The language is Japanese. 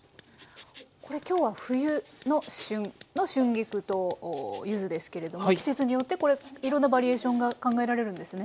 これ今日は冬の旬の春菊と柚子ですけれども季節によってこれいろんなバリエーションが考えられるんですね。